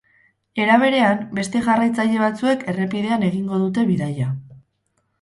Era berean, beste jarraitzaile batzuek errepidean egingo dute bidaia.